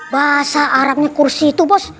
bahasa arabnya kursi itu bos